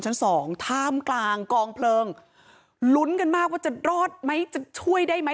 ชั้นสองท่ามกลางกองเพลิงลุ้นกันมากว่าจะรอดไหมจะช่วยได้ไหม